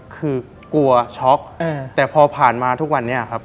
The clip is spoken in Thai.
คือกลัวช็อกแต่พอผ่านมาทุกวันนี้ครับ